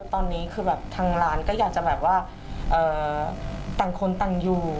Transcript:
ตอนนี้คือแบบทางร้านก็อยากจะแบบว่าต่างคนต่างอยู่